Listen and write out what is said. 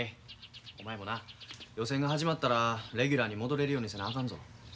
お前もな予選が始まったらレギュラーに戻れるようにせなあかんぞ。